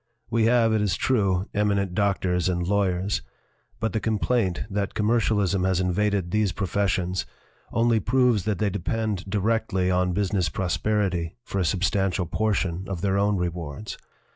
We have, it is true, eminent doctors and lawyers, but the complaint that commercialism has invaded these professions only proves that they depend directly on business prosperity for a substantial portion of their own rewards.